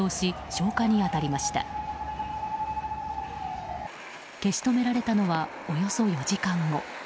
消し止められたのはおよそ４時間後。